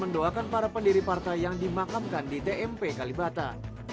di tmp kalibata